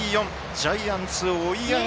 ジャイアンツ、追い上げ。